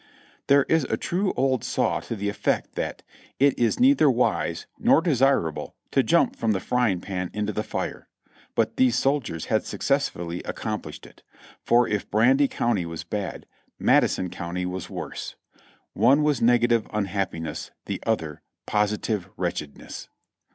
There is a true old saw to the effect that "it is neither wise nor desirable to jump from the frying pan into the fire;" but these soldiers had successfully accomphshed it ; for if Brandy County was bad, Madison County was worse. One was negative unhappiness, the other, positive wretchedness.